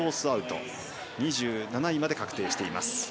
アウト２７位まで確定しています。